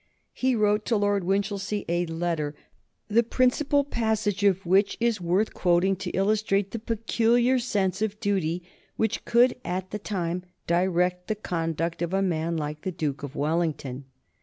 He wrote to Lord Winchilsea a letter, the principal passage of which is worth quoting to illustrate the peculiar sense of duty which could, at the time, direct the conduct of a man like the Duke of Wellington.